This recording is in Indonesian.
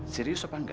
serius apa enggak